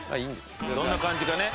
どんな感じかね